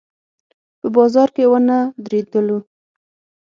په بازار کې ونه درېدلو.